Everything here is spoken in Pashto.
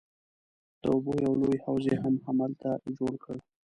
د اوبو یو لوی حوض یې هم هلته جوړ کړ.